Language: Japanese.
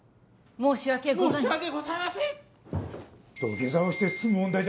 申し訳ございません